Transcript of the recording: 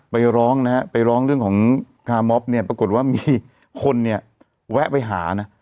ไปร้องนะฮะไปร้องเรื่องของคาร์มอฟเนี่ยปรากฏว่ามีคนเนี่ยแวะไปหานะ